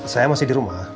saya masih di rumah